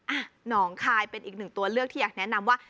อ่ะหนองคายเป็นอีกหนึ่งตัวเลือกที่อยากแนะนำว่า